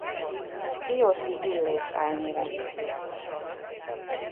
Diósi Illés álnéven is írt.